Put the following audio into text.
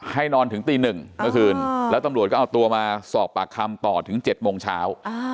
ให้นอนถึงตี๑เมื่อคืนแล้วตำรวจก็เอาตัวมาสอบปากคำต่อถึง๗โมงเช้า